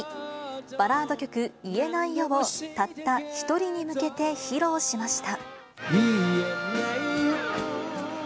バラード曲、言えないよをたった一人に向けて披露しました。